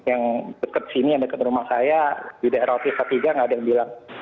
cuma yang dekat sini yang dekat rumah saya di daerah otis ketiga enggak ada yang bilang